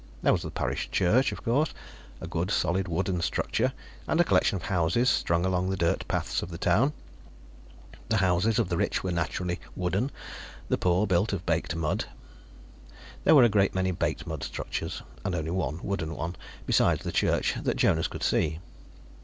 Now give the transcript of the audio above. There was the parish church, of course, a good solid wooden structure, and a collection of houses strung along the dirt paths of the town. The houses of the rich were, naturally, wooden; the poor built of baked mud. There were a great many baked mud structures, and only one wooden one, besides the church, that Jonas could see.